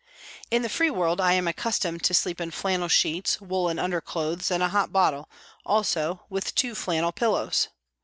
In the free world I am accustomed to sleep in flannel sheets, woollen under clothes, and a hot bottle, also with two flannel pillows.